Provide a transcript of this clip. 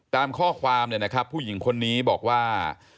ตามข้อความผู้หญิงคนนี้บอกว่า